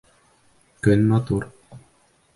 Көн матур.